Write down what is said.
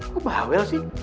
kok bawel sih